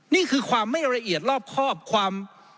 นี่คือความไม่ละเอียดรอบครอบความ